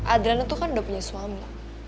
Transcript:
adriana tuh kan udah punya suami